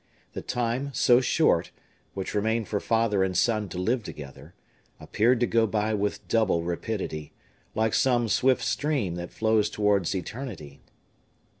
The time, so short, which remained for father and son to live together, appeared to go by with double rapidity, like some swift stream that flows towards eternity.